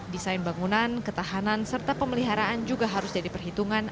desain bangunan ketahanan serta pemeliharaan juga harus jadi perhitungan